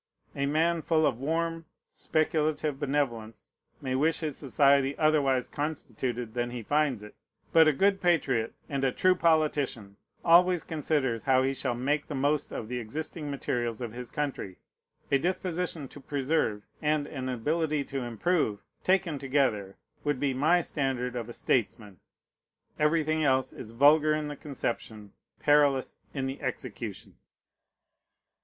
A man full of warm, speculative benevolence may wish his society otherwise constituted than he finds it; but a good patriot, and a true politician, always considers how he shall make the most of the existing materials of his country. A disposition to preserve, and an ability to improve, taken together, would be my standard of a statesman. Everything else is vulgar in the conception, perilous in the execution.